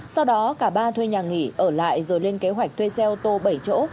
sau đó cả ba thuê nhà nghỉ ở lại rồi lên kế hoạch thuê xe ô tô bảy chỗ